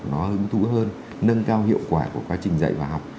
nó hứng thú hơn nâng cao hiệu quả của quá trình dạy và học